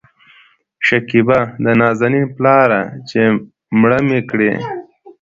شکيبا : د نازنين پلاره چې مړه مې کړې